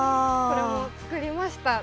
これも作りました。